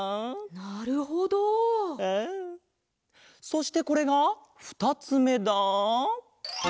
そしてこれがふたつめだ。